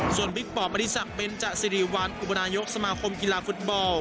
ส่วนบิ๊กปอบบริษักเบนจสิริวัลอุบนายกสมาคมกีฬาฟุตบอล